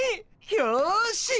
よし。